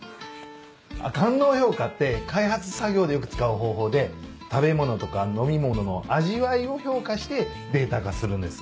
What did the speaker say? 官能評価って開発作業でよく使う方法で食べ物とか飲み物の味わいを評価してデータ化するんです。